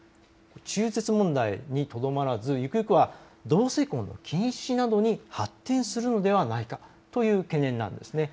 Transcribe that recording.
中絶問題にとどまらずゆくゆくは同性婚の禁止などに発展するのではないかという懸念なんです。